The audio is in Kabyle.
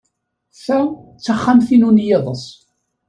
Ta d taxxamt-inu n yiḍes.